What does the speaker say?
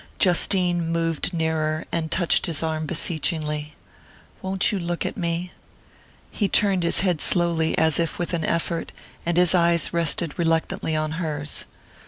Justine moved nearer, and touched his arm beseechingly. "Won't you look at me?" He turned his head slowly, as if with an effort, and his eyes rested reluctantly on hers.